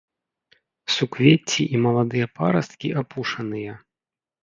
Суквецці і маладыя парасткі апушаныя.